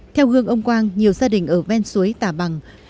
theo gương ông quang nhiều gia đình ở ven suối tà bằng